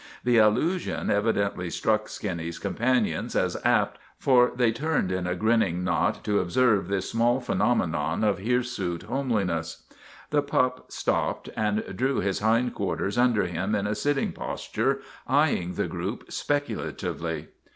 The allusion evidently struck Skinny's companions as apt, for they turned in a grinning knot to observe this small phenomenon of hirsute homeliness. The pup stopped and drew his hind quarters under him in a sitting posture, eyeing the group specula tively.